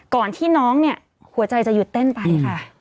ก่อนที่น้องเนี่ยหัวใจจะหยุดเต้นไปค่ะ